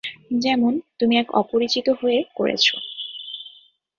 যেমন তুমি এক অপরিচিত হয়ে করেছো।